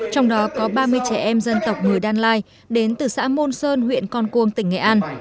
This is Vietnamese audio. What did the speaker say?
trong đó có ba mươi trẻ em dân tộc người đan lai đến từ xã môn sơn huyện con cuông tỉnh nghệ an